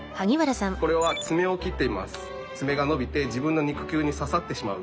これは爪を切っています。